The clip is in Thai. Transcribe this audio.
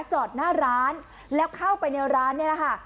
จอดหน้าร้านแล้วเข้าไปในร้านนี่แหละค่ะ